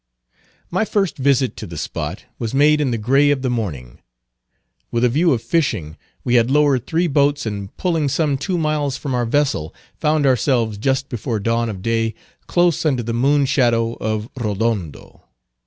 My first visit to the spot was made in the gray of the morning. With a view of fishing, we had lowered three boats and pulling some two miles from our vessel, found ourselves just before dawn of day close under the moon shadow of Rodondo.